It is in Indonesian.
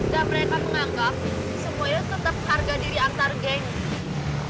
dan mereka menganggap semuanya tetep harga diri antar geng